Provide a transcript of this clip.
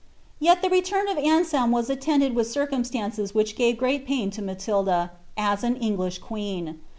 Tct the return of Anseloi was attended with circumstances which ga*( great pain to Matilda, as an English queen.